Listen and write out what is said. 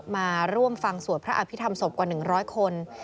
มาร่วมฟังสวดพระอภิษฐรรศพกว่า๑๐๐คน